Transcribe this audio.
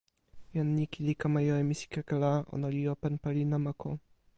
jan Niki li kama jo e misikeke la, ona li open pali namako.